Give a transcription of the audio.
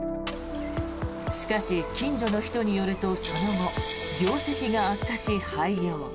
しかし、近所の人によるとその後、業績が悪化し廃業。